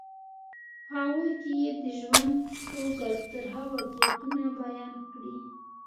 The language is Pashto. په هغوی کې یې د ژوند خوږ او ترخه واقعیتونه بیان کړي.